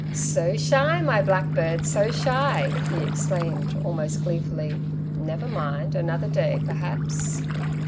"So shy, my blackbird, so shy!" he exclaimed, almost gleefully. "Never mind. Another day, perhaps!"